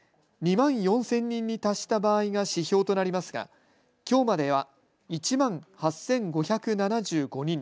２万４０００人に達した場合が指標となりますがきょうまでは１万８５７５人です。